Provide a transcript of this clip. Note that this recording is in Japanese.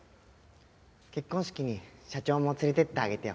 結婚式に社長も連れていってあげてよ。